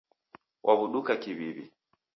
Waw'uduka kiw'iw'i.